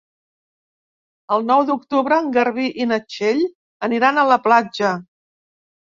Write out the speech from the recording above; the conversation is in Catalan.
El nou d'octubre en Garbí i na Txell aniran a la platja.